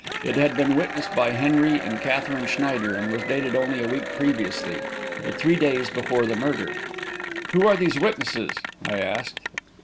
It had been witnessed by Henry and Katherine Schneider, and was dated only a week previously but three days before the murder. "Who are these witnesses?" I asked.